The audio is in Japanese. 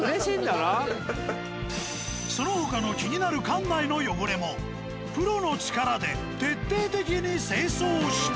その他の気になる館内の汚れもプロの力で徹底的に清掃した。